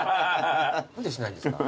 何でしないんですか。